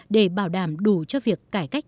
để bảo đảm đủ cho việc cải cách